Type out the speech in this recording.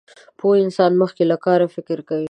پوه انسان مخکې له کاره فکر کوي.